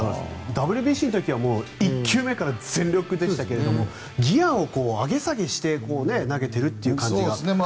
ＷＢＣの時は１球１球全力でしたがギアを上げ下げして投げてる感じが。